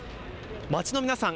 街の皆さん